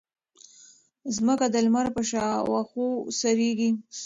ځمکه د لمر په شاوخوا څرخي.